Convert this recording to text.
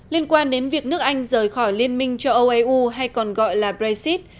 liên quan đến việc nước anh rời khỏi liên minh châu âu eu hay còn gọi là brexit